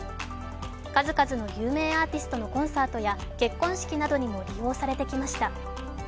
数々の有名アーティストのコンサートや、結婚式などにも利用されてきました。